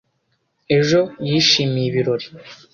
Ejo yishimiye ibirori.